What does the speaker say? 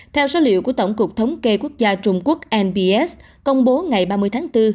theo số liệu của tổng cục thống kê quốc gia trung quốc nbs công bố ngày ba mươi tháng bốn